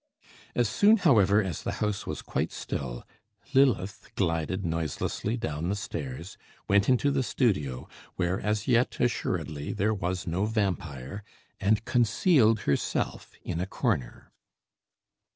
As soon, however, as the house was quite still, Lilith glided noiselessly down the stairs, went into the studio, where as yet there assuredly was no vampire, and concealed herself in a corner.